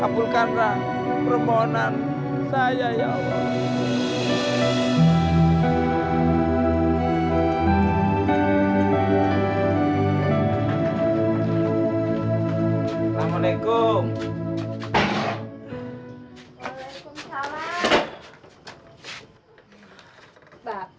kabulkanlah permohonan saya ya allah